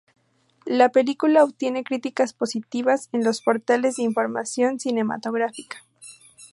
La película obtiene críticas positivas en los portales de información cinematográfica.